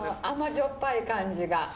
甘じょっぱい感じが。